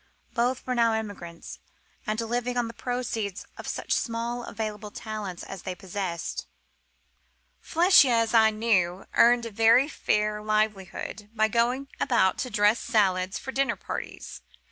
Both were now emigrants, and living on the proceeds of such small available talents as they possessed. Flechier, as I knew, earned a very fair livelihood by going about to dress salads for dinner parties.